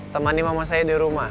temani mama saya dirumah